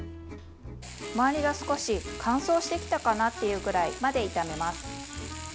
周りが少し乾燥してきたかなというくらいまで炒めます。